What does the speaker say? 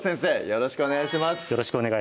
よろしくお願いします